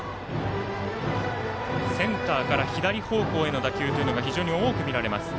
センターから左方向への打球というのが非常に多く見られます。